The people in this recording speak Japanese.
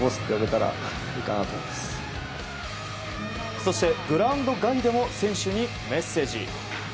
そして、グラウンド外でも選手にメッセージ。